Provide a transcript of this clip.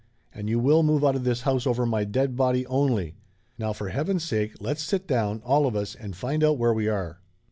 And you will move out of this house over my dead body only! Now for heaven's sake, let's sit down, all of us, and find out where we are."